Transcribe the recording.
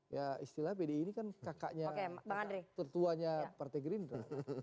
ya istilah pdi ini kan kakaknya tertuanya partai gerindra